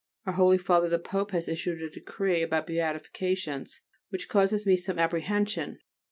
Our Holy Father the Pope has issued a Decree about beatifications which causes me some apprehension.